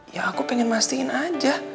ya aku pengen masinin aja